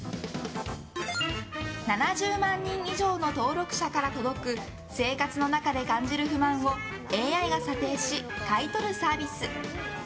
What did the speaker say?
７０万人以上の登録者から届く生活の中で感じる不満をＡＩが査定し、買い取るサービス。